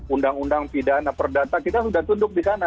undang undang pidana perdata kita sudah tunduk di sana